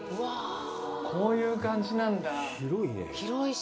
こういう感じなんだあ。